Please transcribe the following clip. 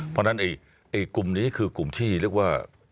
เพราะฉะนั้นกลุ่มนี้คือกลุ่มที่เรียกว่า